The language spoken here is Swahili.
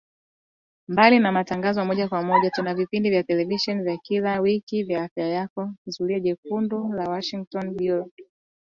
Mbali na matangazo ya moja kwa moja tuna vipindi vya televisheni vya kila wiki vya Afya Yako, Zulia Jekundu na Washington Bureau